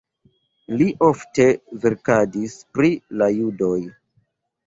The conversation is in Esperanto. Li ofte verkadis pri la judoj.